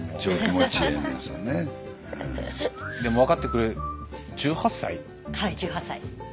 でも分かってくれるはい１８歳。